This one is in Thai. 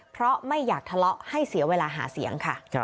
เพราะไม่อยากทะเลาะให้เสียเวลาหาเสียงค่ะ